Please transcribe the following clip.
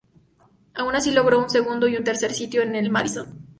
Aun así logró un segundo y un tercer sitio en el Madison.